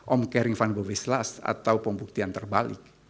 om kering van bovislas atau pembuktian terbalik